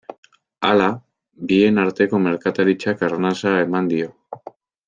Hala, bien arteko merkataritzak arnasa eman dio.